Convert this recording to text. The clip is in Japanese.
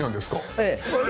ええ。